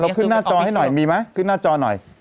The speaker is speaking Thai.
ขึ้นหน้าจอให้หน่อยมีไหมขึ้นหน้าจอหน่อย